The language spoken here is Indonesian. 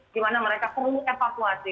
di mana mereka perlu evakuasi